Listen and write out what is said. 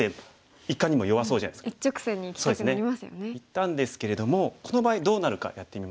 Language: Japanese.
いったんですけれどもこの場合どうなるかやってみましょうかね。